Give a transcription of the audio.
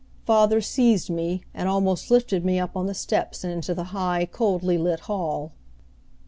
Father seized me, and almost lifted me up the steps and into the high, coldly lit hall.